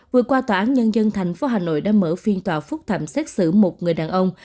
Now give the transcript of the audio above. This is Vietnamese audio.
vừa qua tòa án nhân dân tp hà nội đã mở phiên tòa phúc thẩm xét xử một người đàn ông